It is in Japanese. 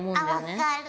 あ分かる。